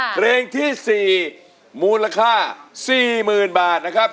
เพลงที่๔มูลค่า๔๐๐๐บาทนะครับ